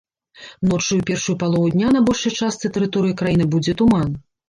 Ноччу і ў першую палову дня на большай частцы тэрыторыі краіны будзе туман.